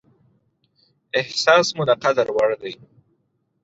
احساس مو د قدر وړ دى.